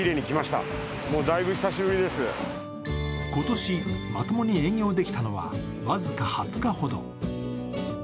今年、まともに営業できたのは僅か２０日ほど。